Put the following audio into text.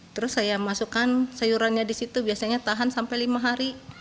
terus saya masukkan sayurannya di situ biasanya tahan sampai lima hari